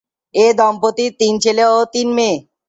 এ দম্পতির তিন ছেলে ও তিন মেয়ে।